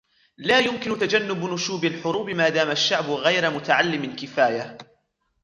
لا يمكن تجنب نشوب الحروب مادام الشعب غير متعلم كفاية